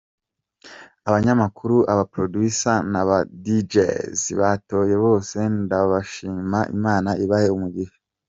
Abanyamakuru , aba-Producers n’aba-Djs bantoye bose ndabashima Imana ibahe umugisha.